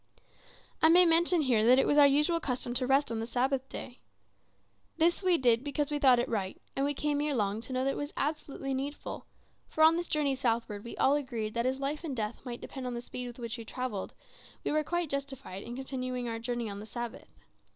I may mention here that it was our usual custom to rest on the Sabbath days. This we did because we thought it right, and we came ere long to know that it was absolutely needful; for on this journey southward we all agreed that as life and death might depend on the speed with which we travelled, we were quite justified in continuing our journey on the Sabbath.